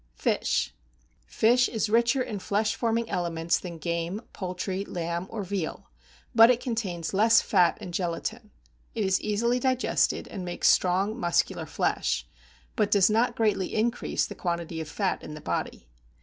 =Fish.= Fish is richer in flesh forming elements than game, poultry, lamb or veal, but it contains less fat and gelatin. It is easily digested, and makes strong muscular flesh, but does not greatly increase the quantity of fat in the body.